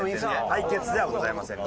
対決ではございません。